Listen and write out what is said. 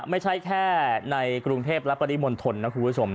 ไม่ใช่แค่ในกรุงเทพและปริมณฑลนะคุณผู้ชม